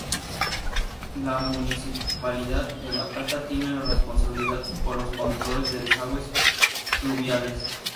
La Municipalidad de La Plata tiene la responsabilidad por los conductos de desagües pluviales.